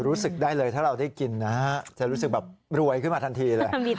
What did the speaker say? รู้สึกได้เลยถ้าเราได้กินนะฮะจะรู้สึกแบบรวยขึ้นมาทันทีเลย